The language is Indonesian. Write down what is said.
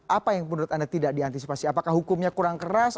apa yang menurut anda tidak diantisipasi apakah hukumnya kurang keras